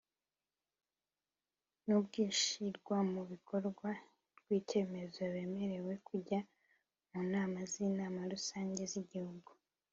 n ubw ishyirwa mu bikorwa ry icyemezo bemerewe kujya mu nama z Inama Rusange z Igihugu